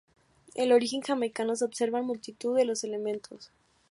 El origen jamaicano se observa en multitud de elementos.